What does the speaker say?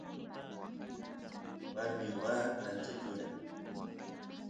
warmi waa ancha chura